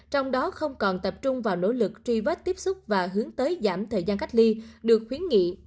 trong đó không còn tập trung vào nỗ lực truy vết tiếp xúc và hướng tới giảm thời gian cách ly được khuyến nghị